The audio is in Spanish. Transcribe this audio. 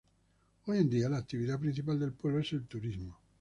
Hoy en día la actividad principal del pueblo es el turismo.